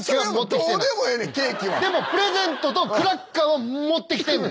でもプレゼントとクラッカーは持ってきてんねん。